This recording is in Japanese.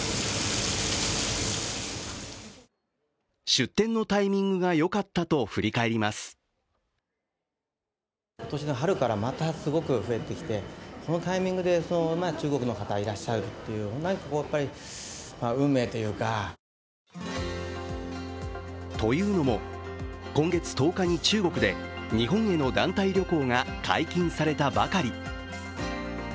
出店のタイミングが良かったと振り返りますというのも、今月１０日に中国で日本への団体旅行が解禁されたばかり。